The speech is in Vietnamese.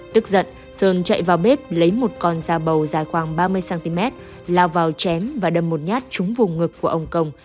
tức giận sơn chạy vào bếp lấy một con dao bầu dài khoảng ba mươi cm lao vào chém và đâm một nhát trúng vùng ngực của ông công